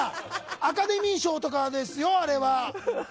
アカデミー賞とかですよ、あれは。